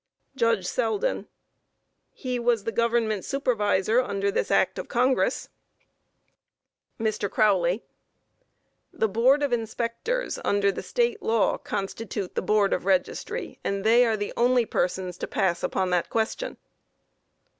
JUDGE SELDEN: He was the Government Supervisor under this act of Congress. MR. CROWLEY: The Board of Inspectors, under the State law, constitute the Board of Registry, and they are the only persons to pass upon that question.